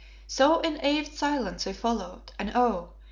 So in awed silence we followed, and, oh!